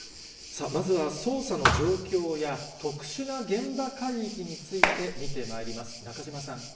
まずは捜査の状況や、特殊な現場海域について見てまいります。